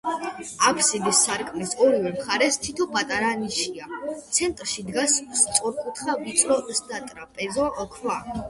აფსიდის სარკმლის ორივე მხარეს თითო პატარა ნიშია; ცენტრში დგას სწორკუთხა ვიწრო სატრაპეზო ქვა.